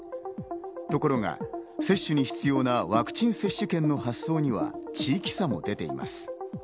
ところが接種に必要なワクチン接種券の発送には地域差も出ています。